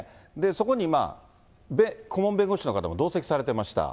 そこにまあ、顧問弁護士の方も同席されてました。